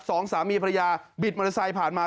สองสามีภรรยาบิดมอเตอร์ไซค์ผ่านมา